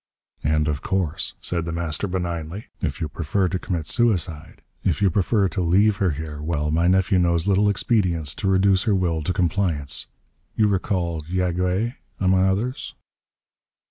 "And of course," said The Master benignly, "if you prefer to commit suicide, if you prefer to leave her here well, my nephew knows little expedients to reduce her will to compliance. You recall Yagué, among others."